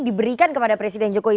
diberikan kepada presiden jokowi